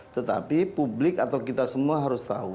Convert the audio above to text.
tetapi publik atau kita semua harus tahu